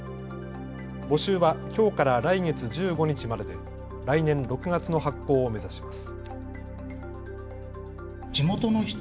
募集はきょうから来月１５日までで来年６月の発行を目指します。